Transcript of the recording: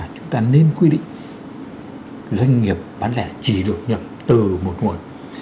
chúng ta nên quy định doanh nghiệp bán lẻ chỉ được nhập từ một nguồn